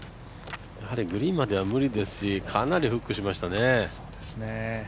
グリーンまでは無理ですし、かなりフックしましたね。